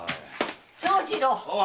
長次郎！